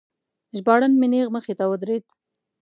ژباړن مې نیغ مخې ته ودرید.